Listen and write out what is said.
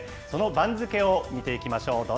その番付を見ていきましょう。